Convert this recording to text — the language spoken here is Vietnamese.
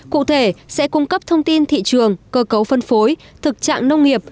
cụ thể sẽ cung cấp thông tin thị trường cơ cấu phân phối thực trạng nông nghiệp